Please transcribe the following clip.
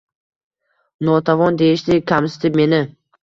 Notavon deyishdi kamsitib meni.